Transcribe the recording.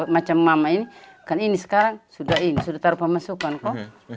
macam mama ini kan ini sekarang sudah taruh pemasukan kok